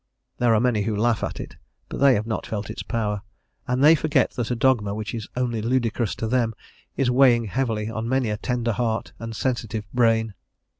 There are many who laugh at it, but they have not felt its power, and they forget that a dogma which is only ludicrous to them is weighing heavily on many a tender heart and sensitive brain.